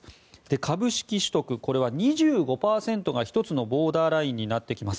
株式取得、これは２５％が１つのボーダーラインになってきます。